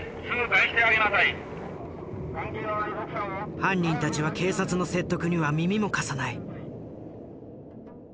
犯人たちは警察の説得には耳も貸さない。